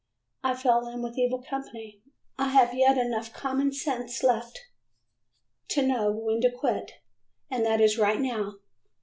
I fell in with evil company, but, thank God, I have yet enough common sense left to know when to quit, and that is right now.